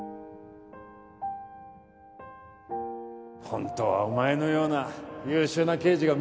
ホントはお前のような優秀な刑事が